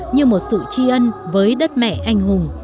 như một sự tri ân với đất mẹ anh hùng